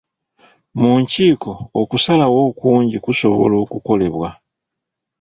Mu nkiiko, okusalawo okungi kusobola okukolebwa.